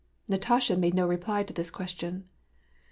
Natasha made no reply to this question.